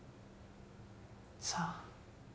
さあ